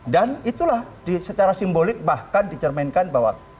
dan itulah secara simbolik bahkan dicerminkan bahwa